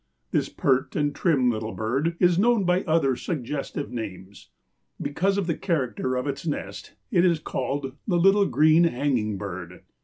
This pert and trim little bird is known by other suggestive names. Because of the character of its nest it is called the "little green hanging bird."